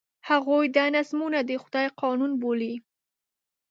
هغوی دا نظمونه د خدای قانون بولي.